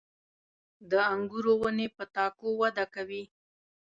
• د انګورو ونې په تاکو وده کوي.